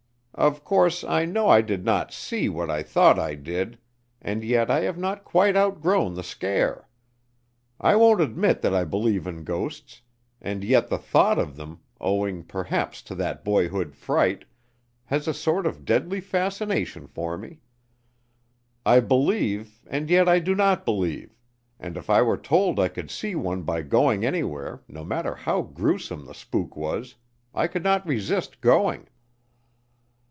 Of course, I know I did not see what I thought I did, and yet I have not quite outgrown the scare. I won't admit that I believe in ghosts, and yet the thought of them, owing perhaps to that boyhood fright, has a sort of deadly fascination for me. I believe and yet I do not believe, and if I were told I could see one by going anywhere, no matter how grewsome the spook was, I could not resist going."